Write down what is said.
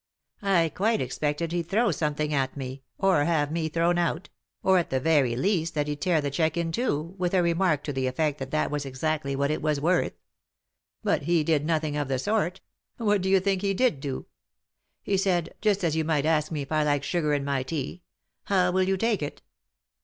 I quite expected he'd throw some thing at me ; or have me thrown out ; or, at the very least, that he'd tear the cheque in two, with a remark to the effect that that was exactly what it was worth. But he did nothing of the sort ; what do you think he did do ? He said, just as you might ask me if I like sugar in my tea, 'How will you take it